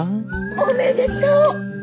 おめでとう。